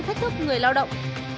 thách thức người lao động